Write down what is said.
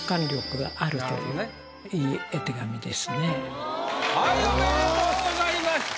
はいおめでとうございました。